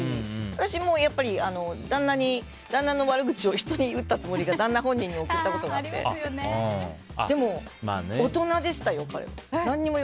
私も旦那の悪口を人に言ったつもりが旦那本人に送ったことがあってでも大人でしたよ、彼は。